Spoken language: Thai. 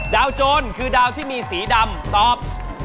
โจรคือดาวที่มีสีดำตอบ